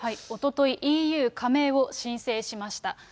おととい、ＥＵ加盟を申請しました。